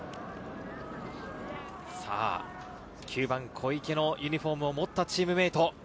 ９番・小池のユニホームを持ったチームメート。